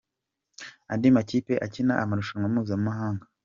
Andi makipe akina amarushanwa mpuzamahanga :.